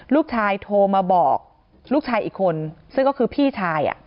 โทรมาบอกลูกชายอีกคนซึ่งก็คือพี่ชาย